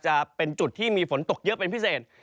จะเป็นจุดที่มีฝนตกเยอะเป็นพิเศษ